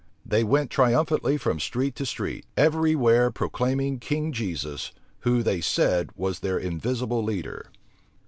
They went triumphantly from street to street, every where proclaiming King Jesus, who, they said, was their invisible leader.